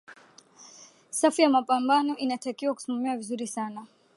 safu ya mapambo inatakiwa kusimamiwa vizuri sana